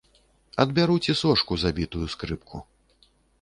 Адбяруць і сошку за бітую скрыпку.